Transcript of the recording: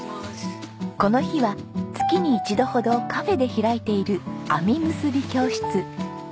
この日は月に１度ほどカフェで開いているあみ結び教室。